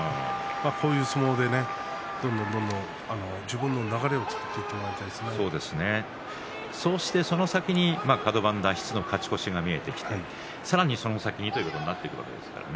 こういう相撲でどんどん自分の流れをそして、その先にカド番脱出の勝ち越しが見えてきてさらにその先にとなってくるわけですからね。